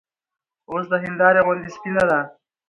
اوس د هېندارې غوندې سپينه ده